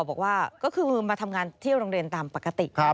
บอกว่าก็คือมาทำงานที่โรงเรียนตามปกติ